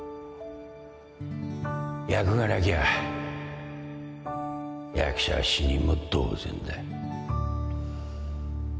役がなきゃ役者は死人も同然だ